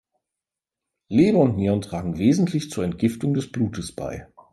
Leber und Nieren tragen wesentlich zur Entgiftung des Blutes bei.